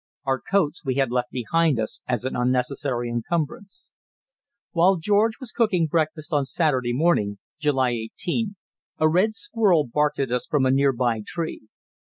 Our coats we had left behind us as an unnecessary encumbrance. While George was cooking breakfast on Saturday morning (July 18), a red squirrel barked at us from a near by tree.